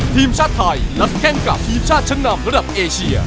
ทีมชาติไทยนัดแข้งกับทีมชาติชั้นนำระดับเอเชีย